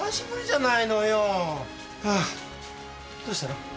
どうしたの？